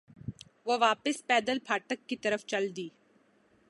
وہ واپس پیدل پھاٹک کی طرف چل دی۔